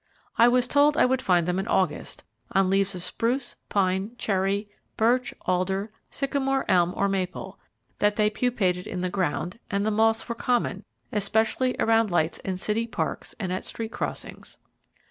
I was told I would find them in August, on leaves of spruce, pine, cherry, birch, alder, sycamore, elm, or maple; that they pupated in the ground; and the moths were common, especially around lights in city parks, and at street crossings.